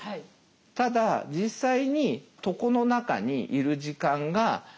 ただ実際に床の中にいる時間が７時間半。